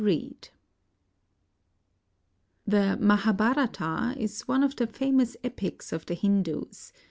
REED [The "Mahabharata" is one of the famous epics of the Hindus.